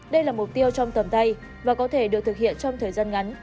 đây là mục tiêu trong tầm tay và có thể được thực hiện trong thời gian ngắn